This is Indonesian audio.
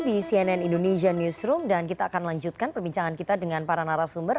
ada masih bersama kami di cnn indonesian newsroom dan kita akan lanjutkan perbincangan kita dengan para narasumber